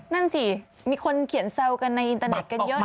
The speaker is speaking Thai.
นั่นสิมีคนเขียนแซวกันในอินเตอร์เน็ตกันเยอะ